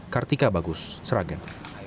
kartika bagus seragen